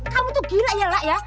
kamu tuh gila ya lak ya